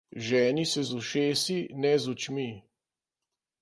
Ženi se z ušesi, ne z očmi!